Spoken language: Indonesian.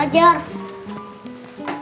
tante sadam mau belajar